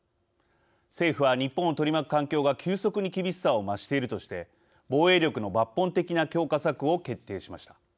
政府は、日本を取り巻く環境が急速に厳しさを増しているとして防衛力の抜本的な強化策を決定しました。